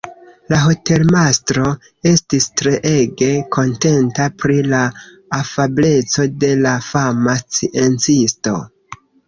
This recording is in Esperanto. La hotelmastro estis treege kontenta pri la afableco de la fama sciencisto.